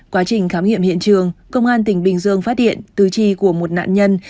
quá trình khám nghiệm hiện trường công an tỉnh bình dương phát hiện tư trì của một nạn nhân